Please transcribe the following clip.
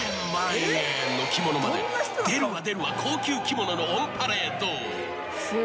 ［の着物まで出るわ出るわ高級着物のオンパレード］